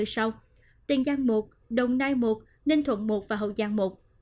sau tiền giang một đồng nai một ninh thuận một và hậu giang một